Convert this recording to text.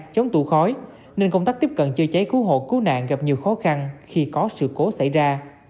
chống tù khói nên công tác tiếp cận chữa cháy cứu hộ cứu nạn gặp nhiều khó khăn khi có sự cố xảy ra